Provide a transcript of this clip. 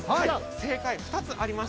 正解は２つあります。